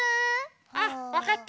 あっわかった。